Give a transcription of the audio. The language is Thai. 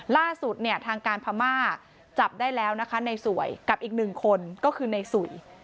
ล่าสุดเนี่ยทางการพม่าจับได้แล้วนะคะในสวยกับอีกหนึ่งคนก็คือในสุย